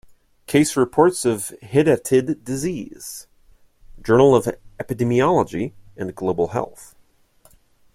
"Case Reports of Hydatid Disease." Journal of Epidemiology and Global Health.